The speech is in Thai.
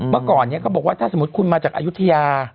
เมื่อก่อนเขาบอกว่าถ้าสมมุติคุณมาจากอายุทยา